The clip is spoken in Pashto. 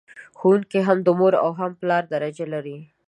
ښوونکي هم د مور او پلار درجه لر...